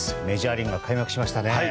メジャーリーグが開幕しましたね。